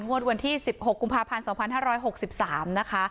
วันที่๑๖กุมภาพันธ์๒๕๖๓นะคะ